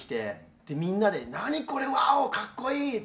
でみんなで「何これワオ！かっこいい」ってなって。